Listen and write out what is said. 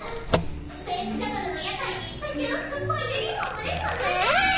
スペースシャトルの屋台に宇宙服っぽいユニフォームでそろえたい。